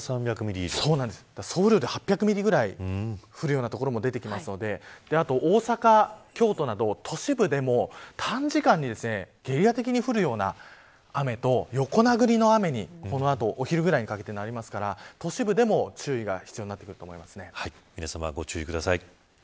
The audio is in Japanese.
総雨量で８００ミリくらい降るような所も出てくるのであと大阪、京都など都市部でも短時間にゲリラ的に降るような雨と横殴りの雨に、この後お昼ぐらいにかけてなりますから都市部でも注意が皆さま、ご注意ください。